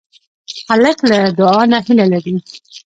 هلک له دعا نه هیله لري.